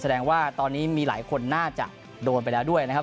แสดงว่าตอนนี้มีหลายคนน่าจะโดนไปแล้วด้วยนะครับ